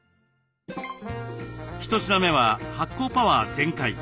一品目は発酵パワー全開！